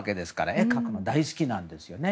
絵を描くのが大好きなんですね。